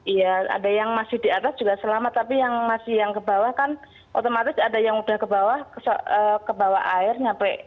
iya ada yang masih di atas juga selama tapi yang masih yang kebawah kan otomatis ada yang udah kebawah airnya